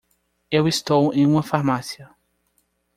Eu estou em uma farmácia.